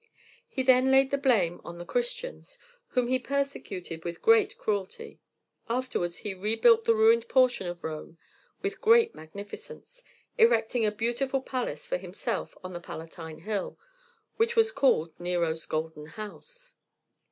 He then laid the blame on the Christians, whom he persecuted with great cruelty. Afterwards he rebuilt the ruined portion of Rome with great magnificence, erecting a beautiful palace for himself on the Palatine Hill, which was called Nero's golden house.